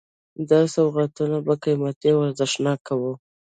دا سوغاتونه به قیمتي او ارزښتناک وو.